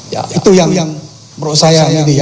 ya itu yang menurut saya